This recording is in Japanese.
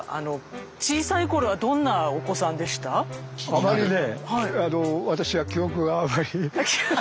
あまりね